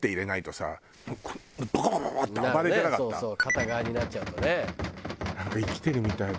片側になっちゃうとね。